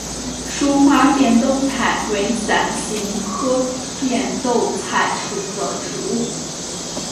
疏花变豆菜为伞形科变豆菜属的植物。